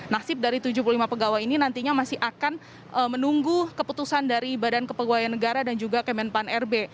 nasib dari tujuh puluh lima pegawai ini nantinya masih akan menunggu keputusan dari badan kepegawaian negara dan juga kemenpan rb